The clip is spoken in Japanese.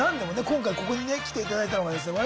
今回ここにね来ていただいたのはですね